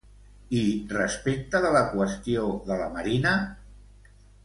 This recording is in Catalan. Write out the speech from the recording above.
I respecte de la qüestió de la Marina?